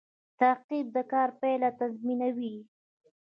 تعقیب د کار پایله تضمینوي